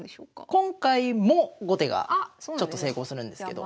今回も後手がちょっと成功するんですけど。